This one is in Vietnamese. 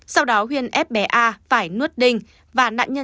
sau đó huyền ép bé a phải nuốt đinh